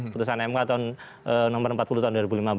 putusan mk tahun nomor empat puluh tahun dua ribu lima belas